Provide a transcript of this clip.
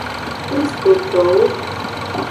Kristitowo.